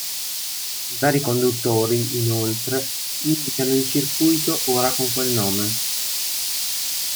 I vari conduttori, inoltre, indicano il circuito ora con quel nome.